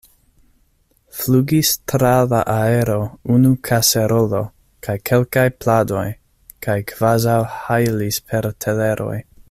Flugis tra la aero unu kaserolo, kaj kelkaj pladoj, kaj kvazaŭ hajlis per teleroj.